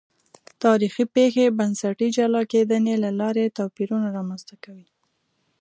تاریخي پېښې بنسټي جلا کېدنې له لارې توپیرونه رامنځته کوي.